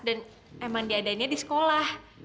dan emang diadainya di sekolah